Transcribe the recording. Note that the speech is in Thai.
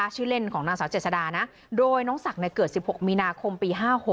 ชื่อเล่นของนางสาวเจษดานะโดยน้องศักดิ์เกิด๑๖มีนาคมปี๕๖